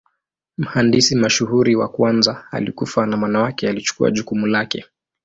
Mhandisi mshauri wa kwanza alikufa na mwana wake alichukua jukumu lake.